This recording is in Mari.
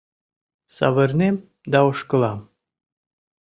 Савырнем да ошкылам.